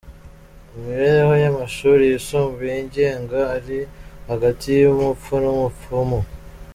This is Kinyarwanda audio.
Imibereho y’amashuri yisumbuye yigenga iri hagati y’umupfu n’umupfumu.